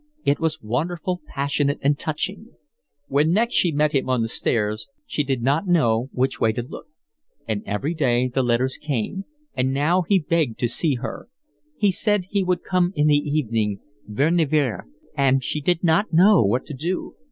It was wonderful, passionate, and touching. When next she met him on the stairs she did not know which way to look. And every day the letters came, and now he begged her to see him. He said he would come in the evening, vers neuf heures, and she did not know what to do.